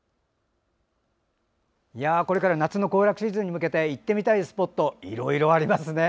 これから夏の行楽シーズンに向けて行ってみたいスポットいろいろありますね。